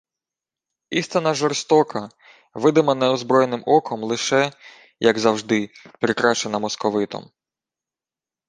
Істина жорстока, видима неозброєним оком, лише, як завжди, прикрашена московитом